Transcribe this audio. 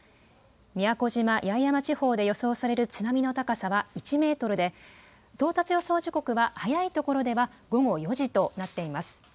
宮古島・八重山地方で予想される津波の高さは１メートルで到達予想時刻は早いところでは午後４時となっています。